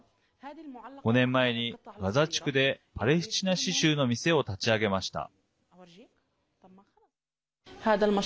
５年前にガザ地区でパレスチナ刺しゅうの店を立ち上げました。